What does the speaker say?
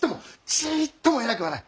ちっとも偉くはない。